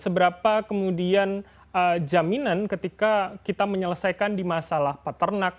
seberapa kemudian jaminan ketika kita menyelesaikan di masalah peternak